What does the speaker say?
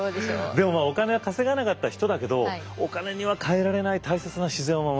でもお金は稼がなかった人だけどお金には代えられない大切な自然を守った。